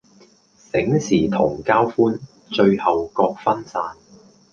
醒時同交歡，醉後各分散